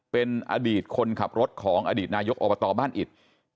เป็นอดีตคนขับรถของอดีตนายกอบตบ้านอิด